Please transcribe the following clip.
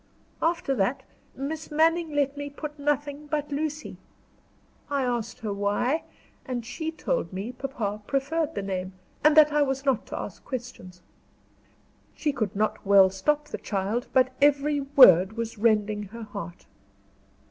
After that, Miss Manning let me put nothing but Lucy. I asked her why, and she told me papa preferred the name, and that I was not to ask questions." She could not well stop the child, but every word was rending her heart.